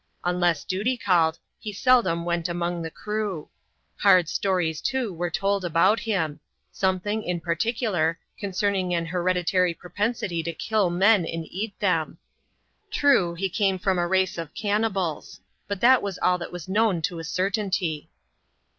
Unless duty called, he seldom went among the crew. Hard stories, too, were told about him ; something, in particular, concerning an hereditary propensity to kill men and eat them. True, he came from a race of cannibals ; but that was all that was known to a cer tainty.